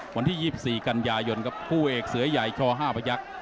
วันที่๒๔กันยายนครับคู่เอกเสือใหญ่ช๕พยักษ์